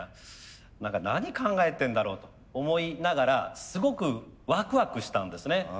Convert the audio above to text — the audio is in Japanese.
何か何考えてんだろうと思いながらすごくワクワクしたんですね。